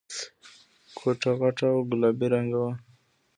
کوټه غټه او گلابي رنګه وه.